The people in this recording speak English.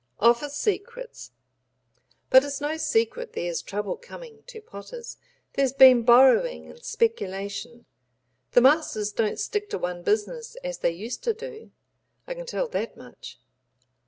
"Office secrets. But it's no secret there's trouble coming to potters. There's been borrowing and speculation. The masters don't stick to one business as they used to do. I can tell that much.